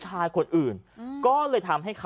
ชาวบ้านญาติโปรดแค้นไปดูภาพบรรยากาศขณะ